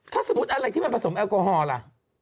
ถ้าสมมุติอะไรที่มันผสมแอลกอฮอลล่ะ